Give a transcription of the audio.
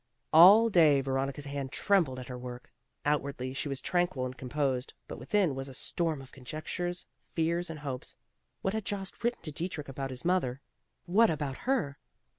All day Veronica's hand trembled at her work. Outwardly she was tranquil and composed; but within was a storm of conjectures, fears and hopes. What had Jost written to Dietrich about his mother; what about her?